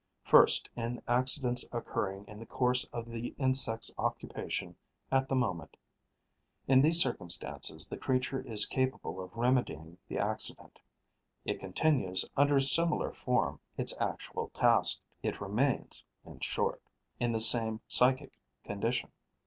First, in accidents occurring in the course of the insect's occupation at the moment. In these circumstances, the creature is capable of remedying the accident; it continues, under a similar form, its actual task; it remains, in short; in the same psychic condition.